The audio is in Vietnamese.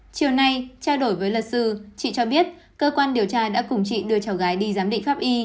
chiều nay trao đổi với luật sư chị cho biết cơ quan điều tra đã cùng chị đưa cháu gái đi giám định pháp y